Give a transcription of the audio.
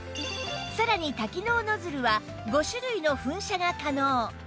さらに多機能ノズルは５種類の噴射が可能